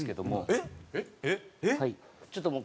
えっ？